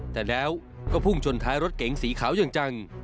แต่แล้วก็พุ่งชนท้ายรถเก๋งสีขาวอย่างจัง